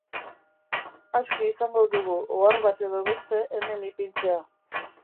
Aski izango dugu ohar bat edo beste hemen ipintzea